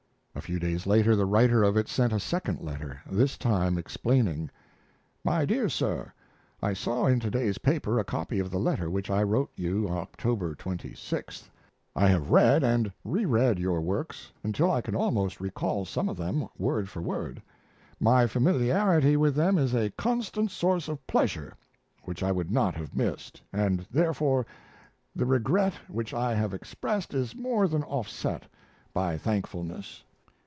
A few days later the writer of it sent a second letter, this time explaining: MY DEAR SIR, I saw in to day's paper a copy of the letter which I wrote you October 26th. I have read and re read your works until I can almost recall some of them word for word. My familiarity with them is a constant source of pleasure which I would not have missed, and therefore the regret which I have expressed is more than offset by thankfulness.